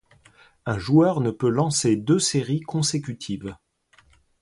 Un joueur ne peut lancer deux séries consécutives.